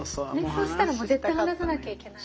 そうしたらもう絶対話さなきゃいけない。